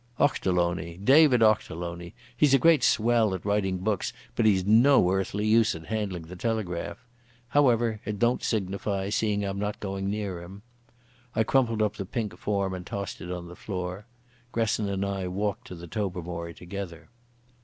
"Ochterlony. David Ochterlony. He's a great swell at writing books, but he's no earthly use at handling the telegraph. However, it don't signify, seeing I'm not going near him." I crumpled up the pink form and tossed it on the floor. Gresson and I walked to the Tobermory together.